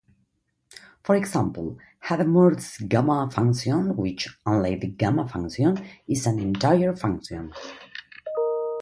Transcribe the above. For example, Hadamard's 'Gamma'-function which, unlike the Gamma function, is an entire function.